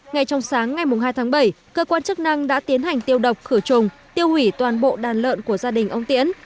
ngay trong sáng ngày hai tháng bảy cơ quan chức năng đã tiến hành tiêu độc khử trùng tiêu hủy toàn bộ đàn lợn của gia đình ông tiến